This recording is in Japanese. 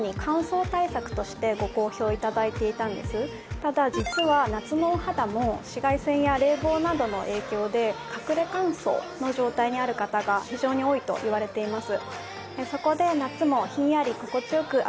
ただ、実は夏のお肌も紫外線や冷房などの影響で隠れ乾燥の状態にある方が非常に多いといわれています。